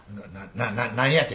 な何やて？